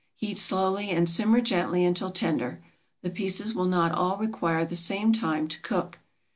Heat slowly and simmer gently until tender. The pieces will not all require the same time to cook.